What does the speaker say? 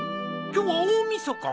今日は大晦日か？